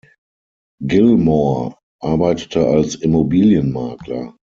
Gilmore arbeitete als Immobilienmakler.